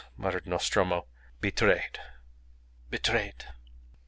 muttered Nostromo. "Betrayed! Betrayed!"